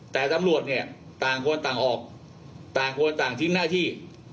แต่ตำรวจเนี่ยต่างคนต่างออกต่างคนต่างทิ้งหน้าที่